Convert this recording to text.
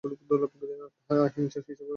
তাহা হিংসার বিষয় হইবার কথা।